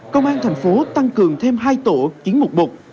công an thành phố tăng cường thêm hai tổ chiến mục một